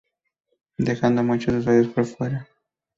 Dejando a muchos usuarios por fuera.